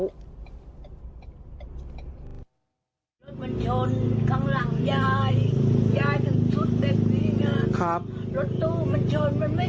รถมันชนข้างหลังยายยายถึงทุกทีมีงาน